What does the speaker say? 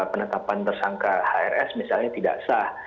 penetapan tersangka hrs misalnya tidak sah